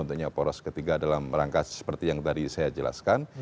tentunya poros ketiga dalam rangka seperti yang tadi saya jelaskan